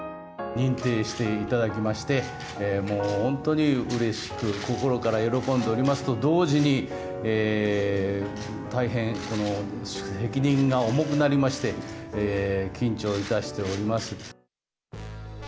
認定していただきまして、もう本当にうれしく、心から喜んでおりますと同時に、大変責任が重くなりまして、緊張いたしております。